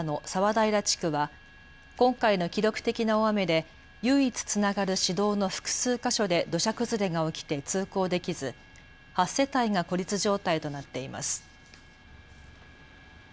平地区は今回の記録的な大雨で唯一つながる市道の複数箇所で土砂崩れが起きて通行できず８世帯が孤立状態となっています。